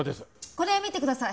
これ見てください。